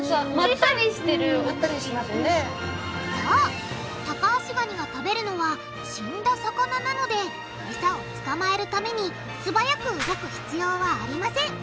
そうタカアシガニが食べるのは死んだ魚なのでエサを捕まえるために素早く動く必要はありません。